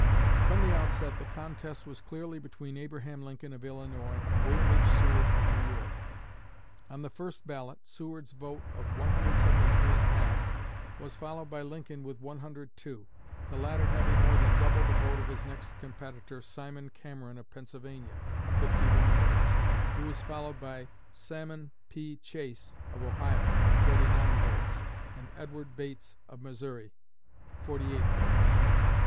From the outset the contest was clearly between Abraham Lincoln of Illinois and William H. Seward of New York. On the first ballot, Seward's vote of 173 1/2 was followed by Lincoln with 102 the latter having more than double the vote of his next competitor, Simon Cameron of Pennsylvania (51 votes), who was followed by Salmon P. Chase of Ohio (49 votes) and Edward Bates of Missouri (48 votes).